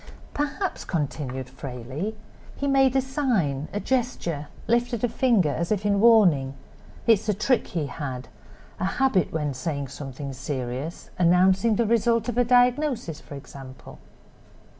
"Perhaps," continued Frayley, "he made a sign, a gesture—lifted a finger, as in warning. It's a trick he had—a habit when saying something serious—announcing the result of a diagnosis, for example."